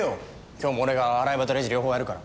今日も俺が洗い場とレジ両方やるから。